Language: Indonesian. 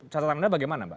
catatan anda bagaimana mbak